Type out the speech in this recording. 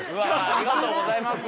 ありがとうございます。